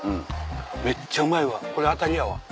めっちゃうまいわこれ当たりやわ。